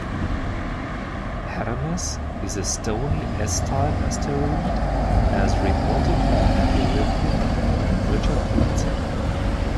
"Hermes" is a stony S-type asteroid, as reported by Andy Rivkin and Richard Binzel.